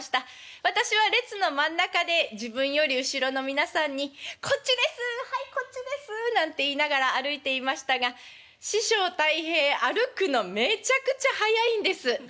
私は列の真ん中で自分より後ろの皆さんに「こっちです！はいこっちです！」なんて言いながら歩いていましたが師匠たい平歩くのめちゃくちゃ速いんです。